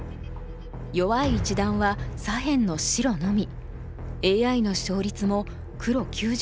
弱い一団は左辺の白のみ。